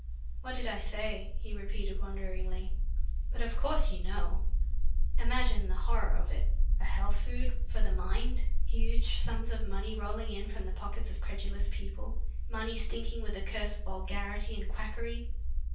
"What did I say?" he repeated wonderingly. "But of course you know! Imagine the horror of it a health food for the mind! Huge sums of money rolling in from the pockets of credulous people, money stinking with the curse of vulgarity and quackery!